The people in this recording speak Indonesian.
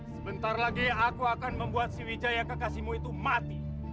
sebentar lagi aku akan membuat si wijaya kakasimu itu mati